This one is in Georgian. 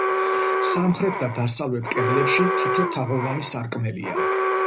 სამხრეთ და დასავლეთ კედლებში თითო თაღოვანი სარკმელია.